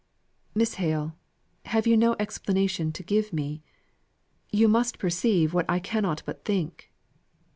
Miss Hale, have you no explanation to give me? You must perceive what I cannot but think."